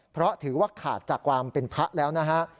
เพราะถือว่าขาดจากความเป็นพระแล้วนะฮะ